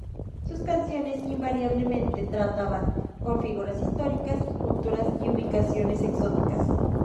Sus canciones invariablemente trataban con figuras históricas y culturas y ubicaciones exóticas.